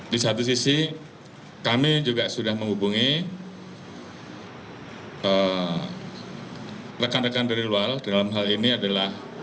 di satu sisi kami juga sudah menghubungi rekan rekan dari luar dalam hal ini adalah